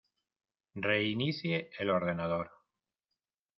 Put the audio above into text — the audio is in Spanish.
Reinicie el ordenador.